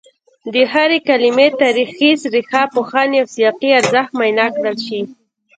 د هرې کلمې تاریخي، ریښه پوهني او سیاقي ارزښت معاینه کړل شي